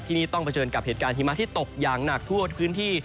ที่นี่ต้องเผชิญกับเหตุการณ์หิมะที่ตกอย่างหนักทั่วพื้นที่